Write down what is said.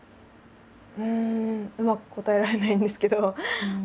うんうまく答えられないんですけど。